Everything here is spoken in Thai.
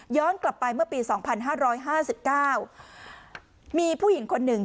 ย้อนกลับไปเมื่อปีสองพันห้าร้อยห้าสิบเก้ามีผู้หญิงคนหนึ่ง